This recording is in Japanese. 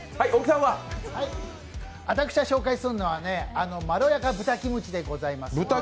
私が紹介するのは、まろやか豚キムチでございます。